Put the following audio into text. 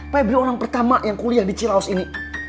pebli orang pertama yang kuliah di ciraos ini